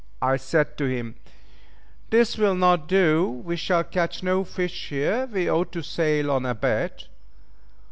I said to him, "This will not do, we shall catch no fish here, we ought to sail on a bit."